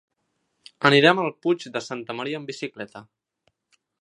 Anirem al Puig de Santa Maria amb bicicleta.